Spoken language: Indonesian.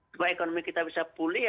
supaya ekonomi kita bisa pulih